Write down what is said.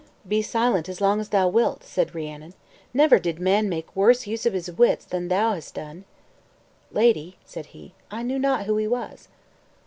"Be silent as long as thou wilt," said Rhiannon, "never did man make worse use of his wits than thou hast done." "Lady," said he, "I knew not who he was."